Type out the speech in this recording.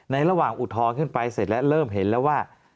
ระหว่างอุทธรณ์ขึ้นไปเสร็จแล้วเริ่มเห็นแล้วว่า